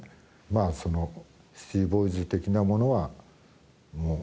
まあそのシティボーイズ的なものはもう。